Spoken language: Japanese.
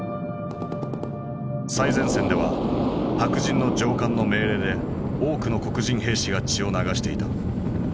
最前線では白人の上官の命令で多くの黒人兵士が血を流していた。